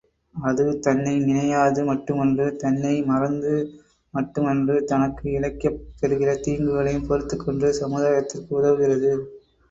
அது தன்னை நினையாது மட்டுமன்று தன்னை மறந்து மட்டுமன்று தனக்கு இழைக்கப் பெறுகிற தீங்குகளையும் பொறுத்துக்கொண்டு சமுதாயத்திற்கு உதவுகிறது.